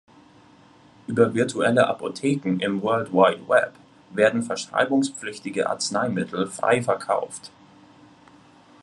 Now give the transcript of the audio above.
Über virtuelle Apotheken im World Wide Web werden verschreibungspflichtige Arzneimittel frei verkauft.